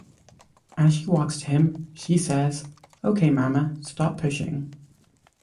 As she walks to him, she says, "Ok, Mama, stop pushing".